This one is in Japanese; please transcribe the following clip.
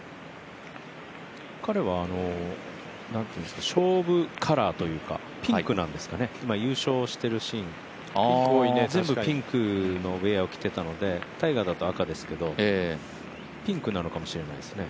彼は勝負カラーというかピンクなんですかね、今優勝しているシーンで全部ピンク着てたんでタイガーだと赤ですけど、ピンクなのかもしれないですね。